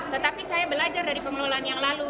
tetapi saya belajar dari pengelolaan yang lalu